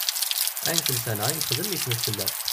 Ayen telsa neɣ ayen texdem yecmet fell-as.